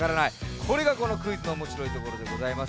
これがこのクイズのおもしろいところでございます。